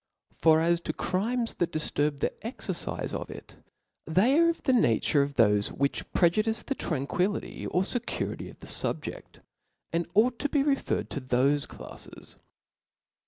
For as to crimes that diflurb the exercife of it, they are of the nature of thofe which jMTCjudiGc the tranquillity ^or fecurity of the fubjeA, and ou^ to be referred to thofe dafles.